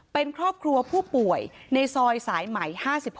เป็นครอบครัวผู้ป่วยในซอยสายใหม่๕๖